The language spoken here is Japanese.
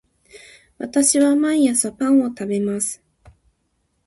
私は毎朝パンを食べます